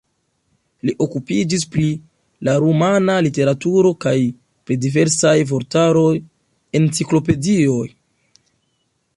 Li okupiĝis pri la rumana literaturo kaj pri diversaj vortaroj, enciklopedioj.